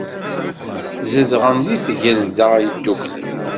Zedɣen deg Tgelda Yedduklen.